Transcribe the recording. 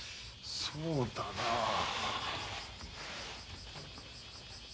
そうだなあ。